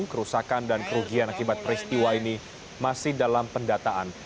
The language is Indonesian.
kerusakan dan kerugian akibat peristiwa ini masih dalam pendataan